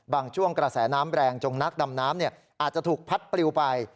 ช่วงกระแสน้ำแรงจงนักดำน้ำอาจจะถูกพัดปลิวไป